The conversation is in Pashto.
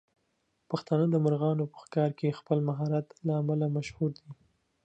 پښتانه د مرغانو په ښکار کې د خپل مهارت له امله مشهور دي.